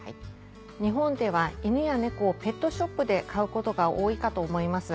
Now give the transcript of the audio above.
日本では犬や猫をペットショップで買うことが多いかと思います。